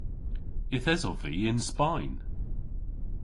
Yth esov vy yn Spayn.